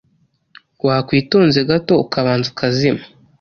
Wakwitonze gato ukabanza ukazima